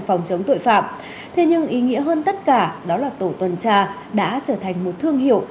phòng chống tội phạm thế nhưng ý nghĩa hơn tất cả đó là tổ tuần tra đã trở thành một thương hiệu